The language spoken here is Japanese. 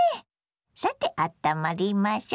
さてあったまりましょ。